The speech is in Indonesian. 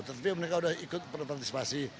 tetapi mereka sudah ikut berpartisipasi